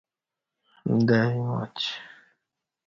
دری ماچ